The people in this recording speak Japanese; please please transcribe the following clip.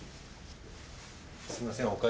すみません